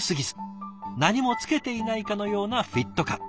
何も着けていないかのようなフィット感。